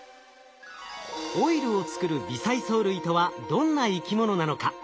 オイルを作る微細藻類とはどんな生き物なのか？